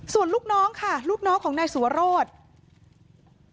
ส่วนลูกน้องของนายสวโรธ